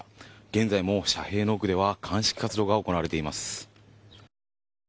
現在も、遮蔽の奥では鑑識活動が行われています。